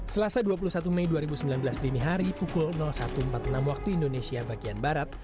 selasa dua puluh satu mei dua ribu sembilan belas dini hari pukul satu empat puluh enam waktu indonesia bagian barat